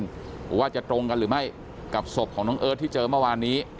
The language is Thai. หรือว่าจะตรงกันหรือไม่กับศพของน้องเอิร์ทที่เจอเมื่อวานนี้